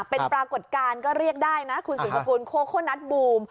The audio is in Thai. เป็นปรากฏการณ์ก็เรียกได้นะคุณศรีสกุลโคโคนัสบูม